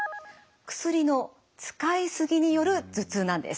薬の使いすぎによる頭痛なんです。